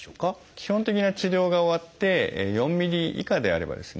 基本的な治療が終わって４ｍｍ以下であればですね